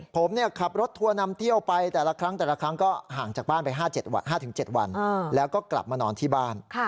ผมขับรถทัวร์นำเที่ยวไปแต่ละครั้งแต่ละครั้งก็ห่างจากบ้านไป๕๗วันแล้วก็กลับมานอนที่บ้าน